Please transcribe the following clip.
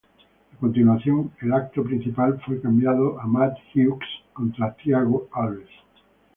A continuación, el evento principal fue cambiado a Matt Hughes contra Thiago Alves.